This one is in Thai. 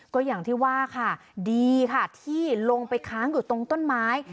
ก็อย่างที่ว่าค่ะดีค่ะที่ลงไปค้างอยู่ตรงต้นไม้